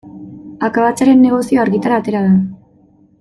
Akabatzearen negozioa argitara atera da.